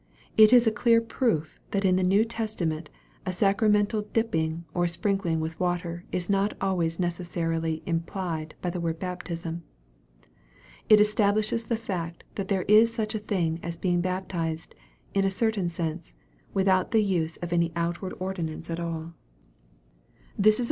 It is a clear proof that in the New Testament a sacramental dipping or sprinkling with water is not always neces sarily implied by the word baptism. It establishes the fact that there is such a thing as being baptized, in a certain sense, without the use of any outward ordinance at all. MARK, CHAP.